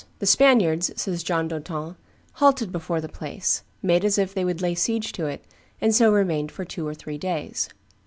"The Spaniards," says John d'Auton, "halted before the place, made as if they would lay siege to it, and so remained for two or three days.